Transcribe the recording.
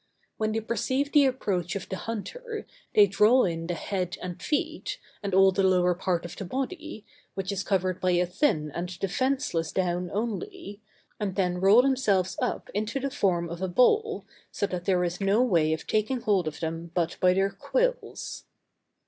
When they perceive the approach of the hunter, they draw in the head and feet, and all the lower part of the body, which is covered by a thin and defenceless down only, and then roll themselves up into the form of a ball, so that there is no way of taking hold of them but by their quills. [Illustration: HEDGEHOG.—_Erinaceus Europæus.